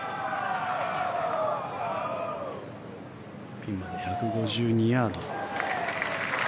ピンまで１５２ヤード。